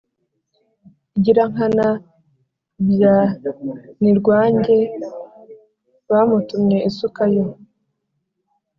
igirankana bya Nirwange bamutumye isuka yo